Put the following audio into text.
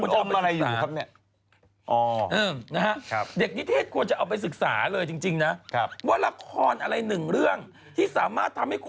นี่เด็กนิเทศควรจะเอาไปศึกษา